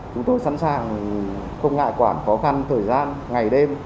chúng tôi sẵn sàng không ngại quản khó khăn thời gian ngày đêm